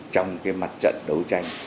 trong cái mặt trận đấu tranh